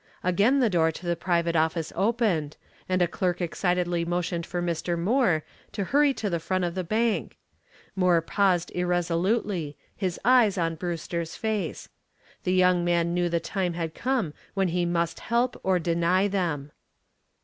Again the door to the private office opened and a clerk excitedly motioned for Mr. Moore to hurry to the front of the bank. Moore paused irresolutely, his eyes on Brewster's face. The young man knew the time had come when he must help or deny them.